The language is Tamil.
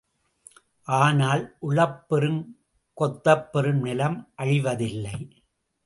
ஆனால் உழப்பெறும் கொத்தப்பெறும் நிலம் அழிவதில்லை.